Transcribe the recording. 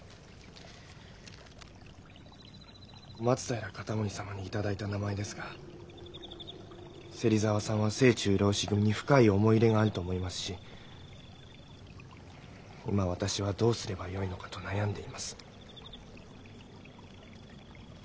松平容保様に頂いた名前ですが芹沢さんは精忠浪士組に深い思い入れがあると思いますし今私はどうすればよいのかと悩んでいます。